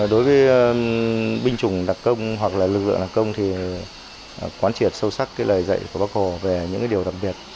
đối với binh chủng đặc công hoặc là lực lượng đặc công thì quán triệt sâu sắc lời dạy của bác hồ về những điều đặc biệt